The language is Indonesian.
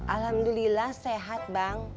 alhamdulillah sehat bang